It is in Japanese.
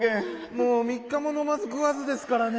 もう３日ものまずくわずですからね。